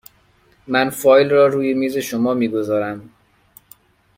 من فایل را روی میز شما می گذارم.